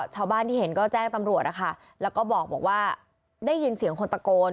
ชาวบ้านที่เห็นก็แจ้งตำรวจนะคะแล้วก็บอกว่าได้ยินเสียงคนตะโกน